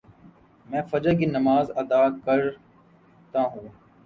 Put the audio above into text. میں فجر کی نماز ادا کر تاہوں